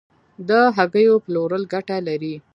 د هګیو پلورل ګټه لري؟